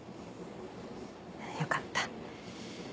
よかった。